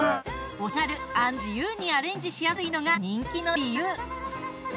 お手軽＆自由にアレンジしやすいのが人気の理由。